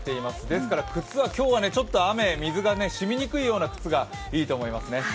ですから靴は今日は雨、水がしみにくい靴がいいと思いますね。